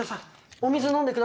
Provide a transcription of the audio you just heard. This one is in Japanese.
お水飲んでください。